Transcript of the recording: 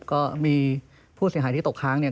ก็มีผู้เสียหายที่ตกค้างเนี่ย